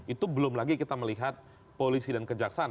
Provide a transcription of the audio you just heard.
itu belum lagi kita melihat polisi dan kejaksaan